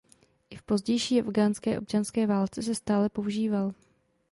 I v pozdější Afghánské občanské válce se stále používal.